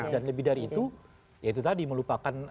dan lebih dari itu ya itu tadi melupakan